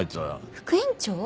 副院長？